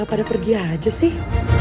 kenapa gak pada pergi aja sih